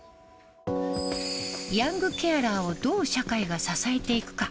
ヤングケアラーをどう社会が支えていくか。